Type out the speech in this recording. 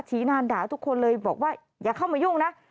นานด่าทุกคนเลยบอกว่าอย่าเข้ามายุ่งนะ